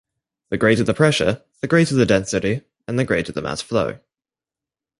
The greater the pressure, the greater the density, and the greater the mass flow.